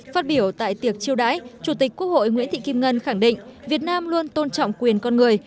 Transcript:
phát biểu tại tiệc chiêu đãi chủ tịch quốc hội nguyễn thị kim ngân khẳng định việt nam luôn tôn trọng quyền con người